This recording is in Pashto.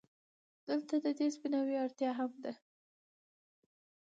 دلته د دې سپيناوي اړتيا هم ده،